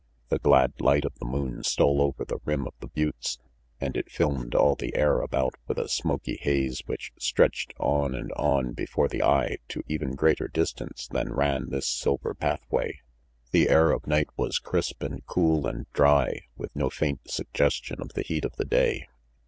The glad light of the moon stole over the rim of the buttes, and it filmed all the air about with a smoky haze which stretched on and on before the eye to even greater distance than ran this silver path way. The air of night was crisp and cool and dry, with no faint suggestion of the heat of the day.